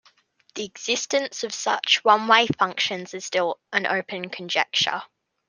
The existence of such one-way functions is still an open conjecture.